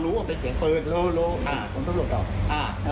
รู้ผมก็โดดเข้า